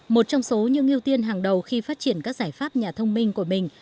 một trong số những ưu tiên hàng đầu khi phát triển các giải pháp nhà thông minh của mình